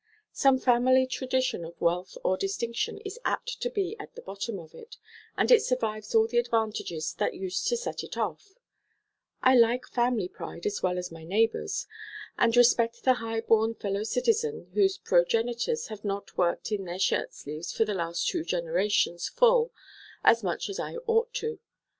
Some family tradition of wealth or distinction is apt to be at the bottom of it, and it survives all the advantages that used to set it off: I like family pride as well as my neighbors, and respect the high born fellow citizen whose progenitors have not worked in their shirt sleeves for the last two generations full as much as I ought to.